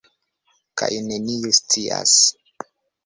Kaj neniu scias.